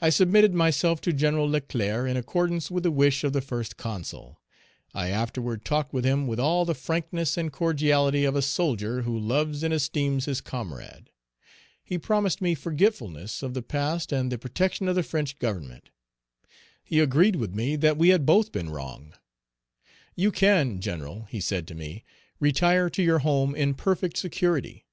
I submitted myself to Gen. Leclerc in accordance with the wish of the First Consul; I afterward talked with him with all the frankness and cordiality of a soldier who loves and esteems his comrade. He promised me forgetfulness of the past and the protection of the French Government. He agreed with me that we had both been wrong. "You can, General," he said to me, "retire to your home in perfect security.